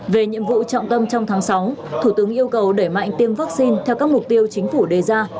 về nhiệm vụ trọng tâm trong tháng sáu thủ tướng yêu cầu đẩy mạnh tiêm vaccine theo các mục tiêu chính phủ đề ra